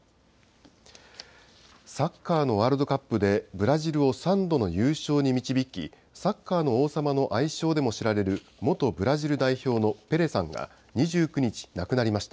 サッカーのワールドカップで、ブラジルを３度の優勝に導き、サッカーの王様の愛称でも知られる、元ブラジル代表のペレさんが２９日、亡くなりました。